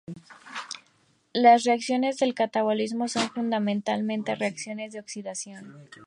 Las reacciones del catabolismo son fundamentalmente reacciones de oxidación.